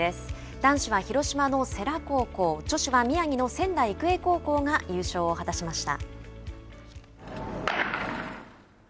男子は広島の世羅高校女子は宮城の仙台育英高校が優勝を果たしました。